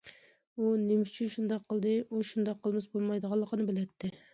ئۇ نېمە ئۈچۈن شۇنداق قىلدى؟ ئۇ شۇنداق قىلمىسا بولمايدىغانلىقىنى بىلەتتى.